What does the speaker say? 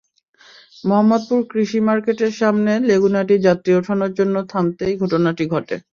মোহাম্মদপুর কৃষি মার্কেটের সামনে লেগুনাটি যাত্রী ওঠানোর জন্য থামতেই ঘটনাটি ঘটে।